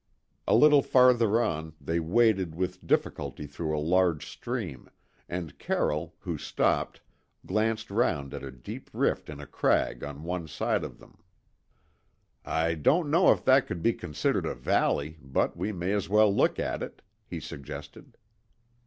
A little farther on, they waded with difficulty through a large stream, and Carroll, who stopped, glanced round at a deep rift in a crag on one side of them. "I don't know if that could be considered a valley, but we may as well look at it," he suggested.